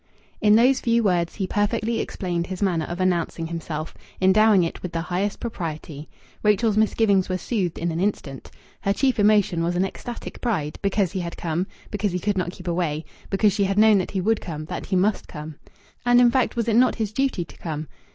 In those few words he perfectly explained his manner of announcing himself, endowing it with the highest propriety. Rachel's misgivings were soothed in an instant. Her chief emotion was an ecstatic pride because he had come, because he could not keep away, because she had known that he would come, that he must come. And in fact was it not his duty to come?